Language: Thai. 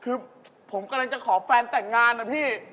คือผมกำลังจะขอแฟนแต่งงานนะพี่